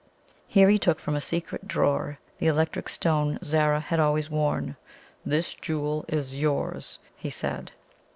Here he took from a secret drawer the electric stone Zara had always worn. "This jewel is yours," he said.